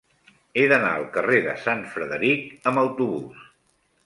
He d'anar al carrer de Sant Frederic amb autobús.